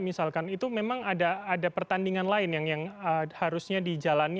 misalkan itu memang ada pertandingan lain yang harusnya dijalani